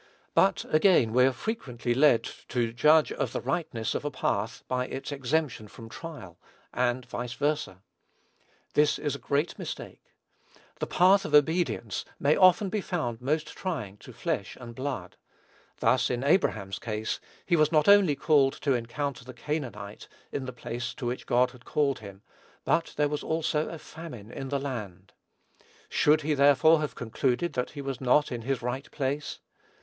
But, again, we are frequently led to judge of the rightness of a path by its exemption from trial, and vice versa. This is a great mistake. The path of obedience may often be found most trying to flesh and blood. Thus, in Abraham's case, he was not only called to encounter the Canaanite, in the place to which God had called him, but there was also "a famine in the land." Should he, therefore, have concluded that he was not in his right place?